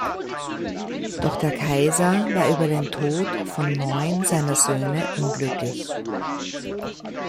Doch der Kaiser war über den Tod von neun seiner Söhne unglücklich.